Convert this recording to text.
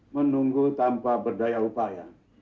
menunggu tanpa berdaya upaya